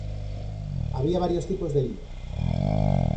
Había varios tipos de hilo.